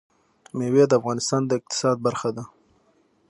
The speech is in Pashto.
مېوې د افغانستان د اقتصاد برخه ده.